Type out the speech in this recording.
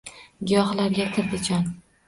Giyohlarga kirdi jon